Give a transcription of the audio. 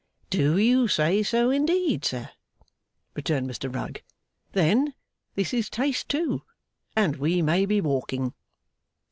'Do you say so indeed, sir?' returned Mr Rugg. 'Then this is taste, too, and we may be walking.